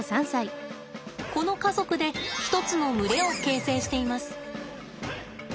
この家族で一つの群れを形成しています。